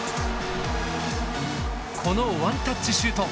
このワンタッチシュート。